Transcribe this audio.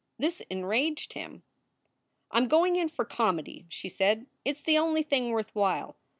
This enraged him. "I m going in for comedy," she said. " It s the only thing worth while.